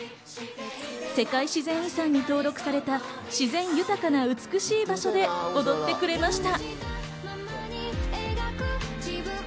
世界自然遺産に登録された自然豊かな美しい場所で踊ってくれました。